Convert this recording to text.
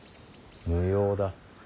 無用だ。